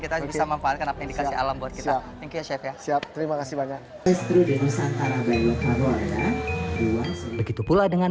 kita bisa memanfaatkan aplikasi alam buat kita terima kasih banyak dan begitu pula dengan